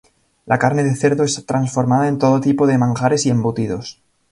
La carne de cerdo es transformada en todo tipo de manjares y embutidos.